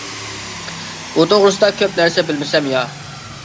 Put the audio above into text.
ئۇ توغرىسىدا كۈپ نەرسە بىلمىسەم يا.